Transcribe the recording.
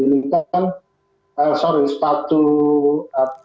ini kan sorry sepatu apa